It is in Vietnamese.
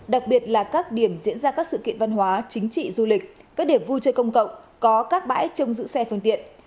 đặc biệt là các điểm diễn ra các sự kiện văn hóa chính trị du lịch các điểm vui chơi công cộng có các bãi trông giữ xe phương tiện